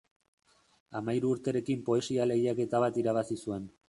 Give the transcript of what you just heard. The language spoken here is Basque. Hamahiru urteekin poesia lehiaketa bat irabazi zuen.